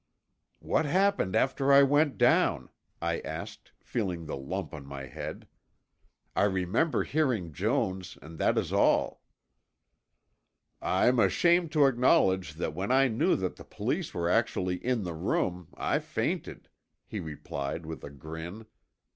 "What happened after I went down?" I asked, feeling the lump on my head. "I remember hearing Jones, and that is all." "I'm ashamed to acknowledge that when I knew that the police were actually in the room, I fainted," he replied with a grin.